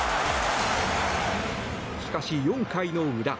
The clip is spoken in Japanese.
しかし、４回の裏。